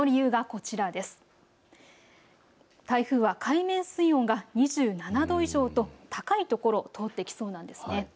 台風は海面水温が２７度以上と高い所を通ってきそうなんです。